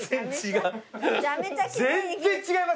全然違う。